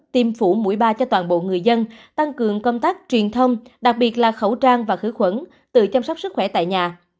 tiêm phủ mũi ba cho toàn bộ người dân tăng cường công tác truyền thông đặc biệt là khẩu trang và khử khuẩn tự chăm sóc sức khỏe tại nhà